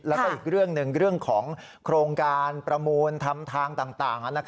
แล้วก็อีกเรื่องหนึ่งเรื่องของโครงการประมูลทำทางต่าง